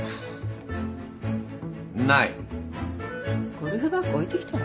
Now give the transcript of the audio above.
ゴルフバッグ置いてきたら？